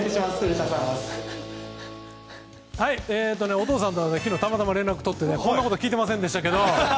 お父さんとは昨日たまたま連絡を取っていてこんなこと聞いてませんでしたけど。